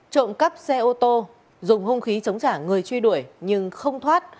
trộm cắp xe ô tô dùng hung khí chống trả người truy đuổi nhưng không thoát